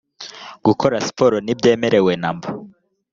gukora siporo ntibyemewe na mba